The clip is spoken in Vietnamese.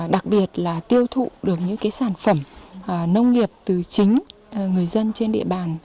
đặc biệt là tiêu thụ được những sản phẩm nông nghiệp từ chính người dân trên địa bàn